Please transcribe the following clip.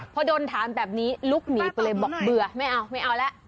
พอโดนถามแบบนี้ลุกหนีไปเลยบอกเบื่อไม่เอาไม่เอาแล้ว